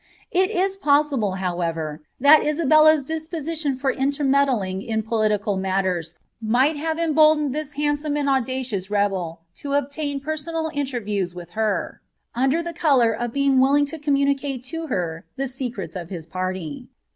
It is oasible, however, that Isabella's disposition for intermeddling in political MCiers might have emboldened this handsome and audacious rebel to btain personal interviews with her, under the colour of being willing to ommnnicate to her the secrets of his party.